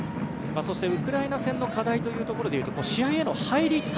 そして、ウクライナ戦の課題というところで言うと試合への入り方。